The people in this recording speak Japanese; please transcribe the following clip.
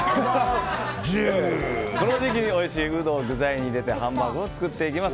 この時期においしいウドを具材に入れてハンバーグを作っていきます。